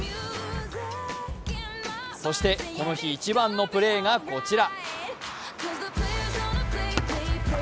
そして、この日一番のプレーがこちら。